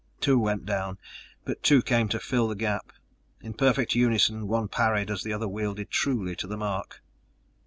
Two went down, but two came to fill the gap. In perfect unison, one parried as the other wielded truly to the mark....